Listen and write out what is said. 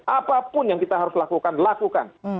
apapun yang kita harus lakukan lakukan